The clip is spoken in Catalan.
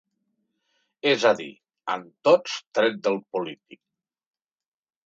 És a dir, en tots tret del polític.